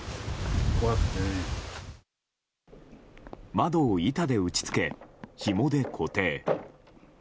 窓を板で打ち付けひもで固定。